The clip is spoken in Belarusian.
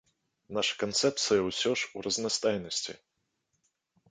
Наша канцэпцыя ўсё ж у разнастайнасці.